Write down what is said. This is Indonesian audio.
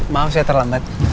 maaf saya terlambat